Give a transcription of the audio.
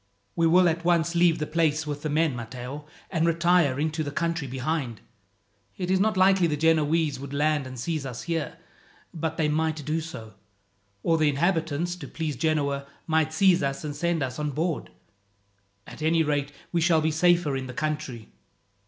"We will at once leave the place with the men, Matteo, and retire into the country behind. It is not likely the Genoese would land and seize us here, but they might do so, or the inhabitants, to please Genoa, might seize us and send us on board. At any rate, we shall be safer in the country."